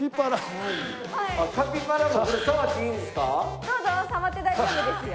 どうぞ触って大丈夫ですよ。